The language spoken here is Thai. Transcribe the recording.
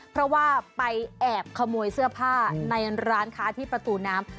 เพราะว่าไปแอบขโมยเสื้อผ้าในร้านค้าที่ประตูน้ำ